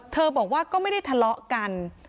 บอกว่าก็ไม่ได้ทะเลาะกัน